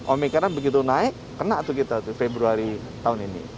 omikron begitu naik kena tuh kita tuh februari tahun ini